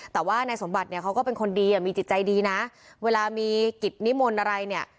แต่ว่านายสมบัติเนี่ยเขาก็เป็นคนดีอ่ะมีจิตใจดีนะเวลามีกิจนิมนต์อะไรเนี่ย